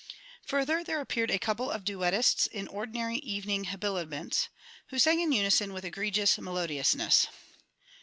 Further there appeared a couple of Duettists in ordinary evening habiliments, who sang in unison with egregious melodiousness.